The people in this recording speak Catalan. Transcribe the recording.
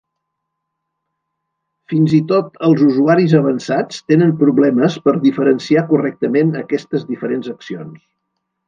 Fins i tot els usuaris avançats tenen problemes per diferenciar correctament aquestes diferents accions.